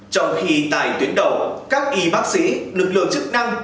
trong khi tại tuyến đầu các y bác sĩ lực lượng chức năng